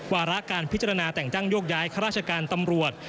วาระการพิจารณาแต่งตั้งโยกย้ายข้าราชการตำรวจ